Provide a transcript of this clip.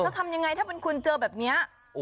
ทำยังไงถ้าเป็นคุณเจอแบบนี้